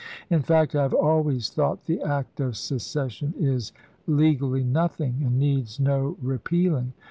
In fact, I have always thought the act of secession is legally nothing, and needs no repealing.